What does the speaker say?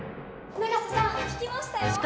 永瀬さん聞きましたよ。